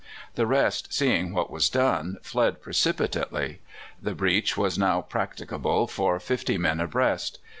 The rest, seeing what was done, fled precipitately. The breach was now practicable for fifty men abreast.